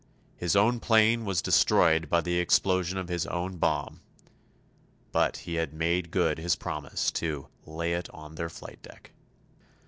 His own plane was destroyed by the explosion of his own bomb. But he had made good his promise to "lay it on their flight deck."